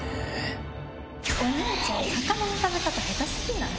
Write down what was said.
お兄ちゃん魚の食べ方ヘタ過ぎない？